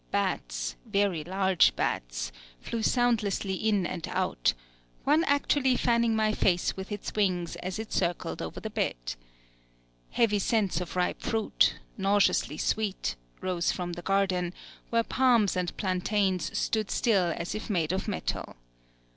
Bats very large bats, flew soundlessly in and out; one actually fanning my face with its wings as it circled over the bed. Heavy scents of ripe fruit nauseously sweet rose from the garden, where palms and plantains stood still as if made of metal.